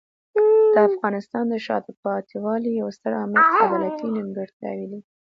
د افغانستان د شاته پاتې والي یو ستر عامل عدالتي نیمګړتیاوې دي.